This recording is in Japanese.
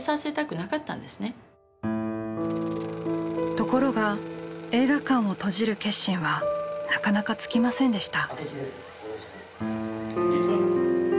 ところが映画館を閉じる決心はなかなかつきませんでした。